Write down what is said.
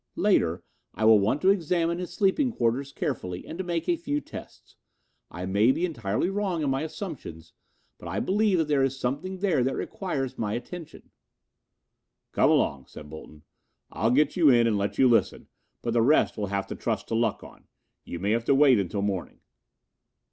Later I will want to examine his sleeping quarters carefully and to make a few tests. I may be entirely wrong in my assumptions, but I believe that there is something there that requires my attention." "Come along," said Bolton. "I'll get you in and let you listen, but the rest we'll have to trust to luck on. You may have to wait until morning."